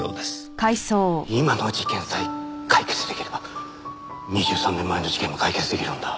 今の事件さえ解決出来れば２３年前の事件も解決出来るんだ。